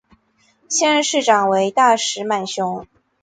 现任市长为大石满雄。